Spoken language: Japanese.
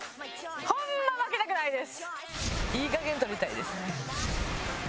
ほんま負けたくないです。